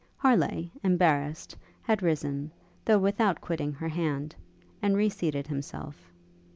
Harleigh, embarrassed had risen, though without quitting her hand, and re seated himself.